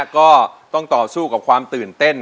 ก็ต้องต่อสู้กับความตื่นเต้น